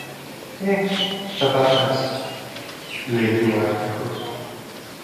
"Ε, θα περάσει", λέγει ο Αρχηγός